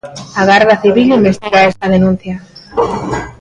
A Garda Civil investiga esta denuncia.